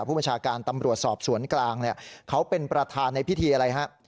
ผู้บัญชาการตำรวจสอบสวนกลางเนี่ยเขาเป็นประธานในพิธีอะไรฮะ